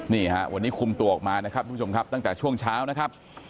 นี่ฮะวันนี้คุมตัวออกมานะครับทุกผู้ชมครับตั้งแต่ช่วงเช้านะครับ